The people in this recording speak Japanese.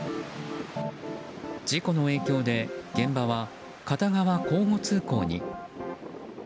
事故の影響で現場は片側交互通行に。